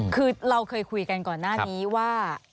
คือเราเคยคุยกันก่อนหน้านี้ว่า